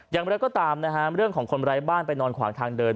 อย่างไรก็ตามนะฮะเรื่องของคนไร้บ้านไปนอนขวางทางเดิน